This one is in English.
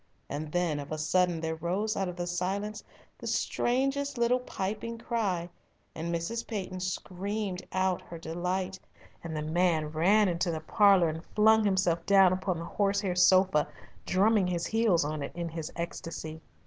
And then of a sudden there rose out of the silence the strangest little piping cry, and Mrs. Peyton screamed out in her delight and the man ran into the parlour and flung himself down upon the horse hair sofa, drumming his heels on it in his ecstasy.